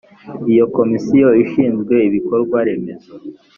iyo komisiyo ishinzwe ibikorwa remezo